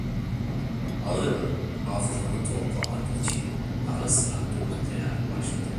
Ağır ağır, hafızamı toplamak için ara sıra duraklayarak, başladım.